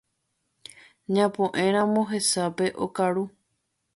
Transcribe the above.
Ñapo'ẽramo hesápe okaru